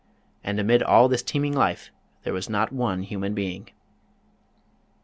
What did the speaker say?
And amid all this teeming life there was not one human being.